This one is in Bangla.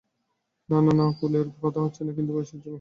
না, না, কুলের কথা হচ্ছে না, কিন্তু বয়েস যে– মহিম।